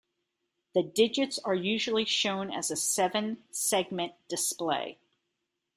The digits are usually shown as a seven-segment display.